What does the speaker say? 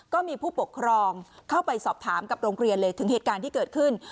ก็มีผู้ปกครองเข้าไปสอบถามกับโรงเรียนเลยถึงเหตุการณ์ที่เกิดขึ้น